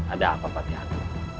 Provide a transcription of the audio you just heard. ada apa pak yaku